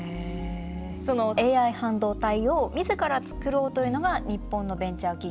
そのＡＩ半導体を自らつくろうというのが日本のベンチャー企業